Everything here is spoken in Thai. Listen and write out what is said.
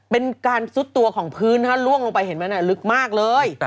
เป็นการซุดตัวของพื้นล่วงลงไปเห็นไหมลึกมากเลย